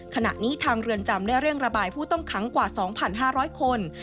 ขณะนี้ทางเรือนจำได้เร่งระบายผู้ต้องขังกว่า๒๕๐๐คน